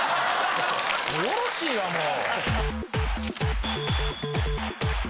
もうよろしいわもう。